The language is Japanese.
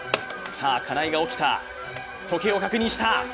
さあ、金井が起きた、時計を確認した。